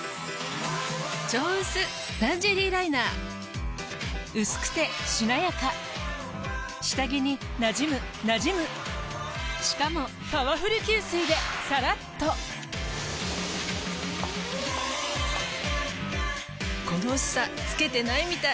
「超薄ランジェリーライナー」薄くてしなやか下着になじむなじむしかもパワフル吸水でさらっとこの薄さつけてないみたい。